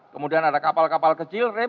kemudian ada kapal kapal kecil rap